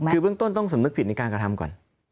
คือเบื้องต้นต้องสำนึกผิดในการกระทำก่อน